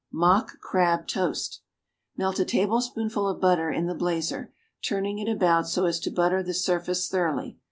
=Mock Crab Toast.= Melt a tablespoonful of butter in the blazer, turning it about so as to butter the surface thoroughly.